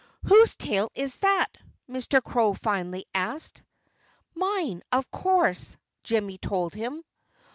"Whose tail is that?" Mr. Crow finally asked. "Mine, of course!" Jimmy told him.